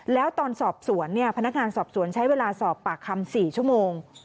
แล้วตอนสอบสวนพนักงานสอบสวนใช้เวลาสอบปากคำ๔ชั่วโมง